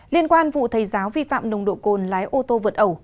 liên quan vụ thầy giáo vi phạm nồng độ cồn lái ô tô vượt ẩu